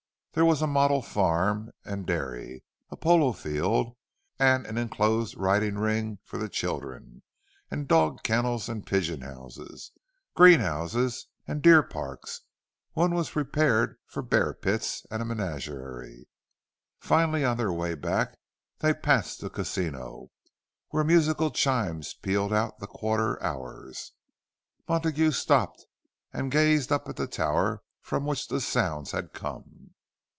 There was a model farm and dairy; a polo field, and an enclosed riding ring for the children; and dog kennels and pigeon houses, greenhouses and deer parks—one was prepared for bear pits and a menagerie. Finally, on their way back, they passed the casino, where musical chimes pealed out the quarter hours. Montague stopped and gazed up at the tower from which the sounds had come.